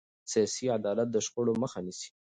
سیاسي عدالت د شخړو مخه نیسي